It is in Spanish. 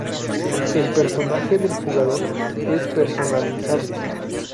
El personaje del jugador es personalizable.